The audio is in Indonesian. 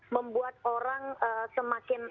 membuat orang semakin